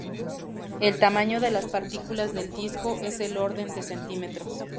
El tamaño de las partículas del disco es del orden de centímetros.